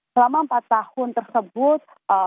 selama empat tahun tersebut